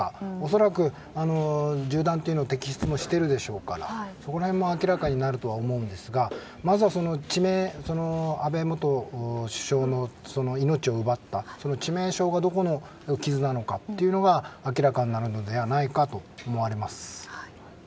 恐らく銃弾の摘出もしているでしょうからそこら辺も明らかになるとは思うんですがまずは安倍元首相の命を奪った致命傷がどこの傷なのかというのが明らかになるのではないかと思われます。